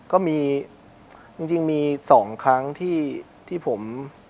ก็มีจริงมี๒ครั้งที่ผม